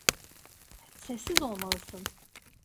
Sessiz olmalısın.